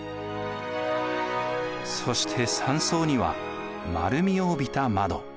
そして３層には丸みを帯びた窓。